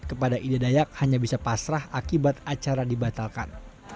kepada ida dayak hanya bisa pasrah akibat acara dibatalkan